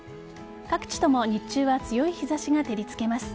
各地とも日中は強い日差しが照りつけます。